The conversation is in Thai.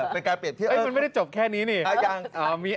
เป็นการเปลี่ยนที่เอ้ยมันไม่ได้จบแค่นี้นี่มีไออะไรสักแค่นี้